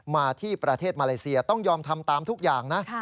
มาที่ประเทศมาเลเซียต้องยอมทำตามทุกอย่างนะ